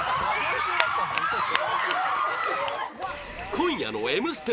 今夜の「Ｍステ」